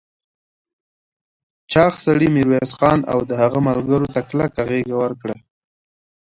چاغ سړي ميرويس خان او د هغه ملګرو ته کلکه غېږ ورکړه.